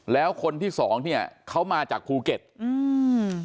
แล้วคนที่สองเนี้ยเขามาจากภูเก็ตอืม